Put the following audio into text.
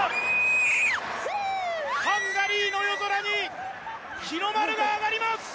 ハンガリーの夜空に日の丸が上がります。